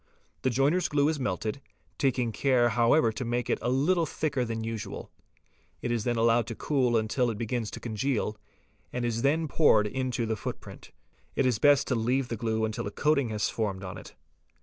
The joiner's glue is melted, taking are however to make it a little thicker than usual. It is then allowed ' to cool until it begins to congeal, and is then poured into the footprint. J t is best to leave the glue until a coating has formed on it.